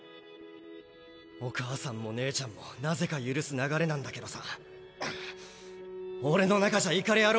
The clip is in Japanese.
お母さんも姉ちゃんもなぜか許す流れなんだけどさ俺の中じゃイカレ野郎